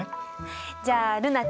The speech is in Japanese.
じゃあ瑠菜ちゃん